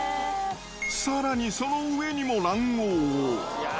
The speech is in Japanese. さらに、その上にも卵黄を。